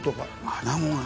アナゴが。